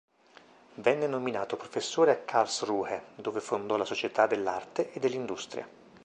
Venne nominato professore a Karlsruhe, dove fondò la Società dell'arte e dell'industria.